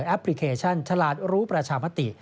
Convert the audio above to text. พลิเคชันฉลาดรู้ประชามติ